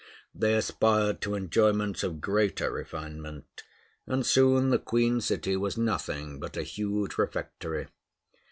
They aspired to enjoyments of greater refinement; and soon the Queen City was nothing but a huge refectory.